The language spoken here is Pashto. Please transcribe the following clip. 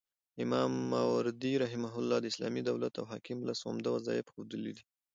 امام ماوردي رحمه الله د اسلامي دولت او حاکم لس عمده وظيفي ښوولي دي